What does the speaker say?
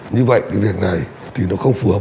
như vậy cái việc này thì nó không phù hợp